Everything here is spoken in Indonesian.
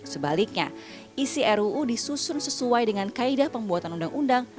sebaliknya isi ruu disusun sesuai dengan kaedah pembuatan undang undang